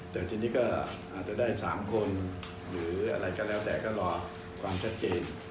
เดี๋ยวทีนี้ก็จะได้สามคนหรืออะไรก็แล้วแต่ก็รอความชัดเจน